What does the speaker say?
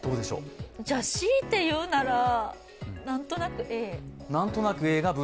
じゃ、強いて言うなら、なんとなくＡ。